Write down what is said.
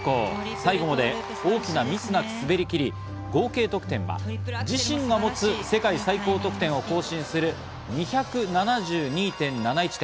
最後まで大きなミスなく滑りきり、合計得点は自身が持つ世界最高得点を更新する２７２．７１点。